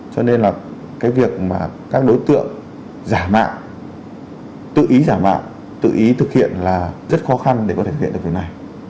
cho nên là cái việc mà các đối tượng giả mạo tự ý giả mạo tự ý thực hiện là rất khó khăn để có thể hiện được việc này